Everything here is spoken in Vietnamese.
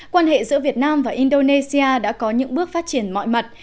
quan hệ giữa việt nam và indonesia đã có những bước phát triển mọi mặt